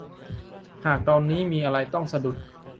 หากตอนนี้มีอะไรต้องสะดุด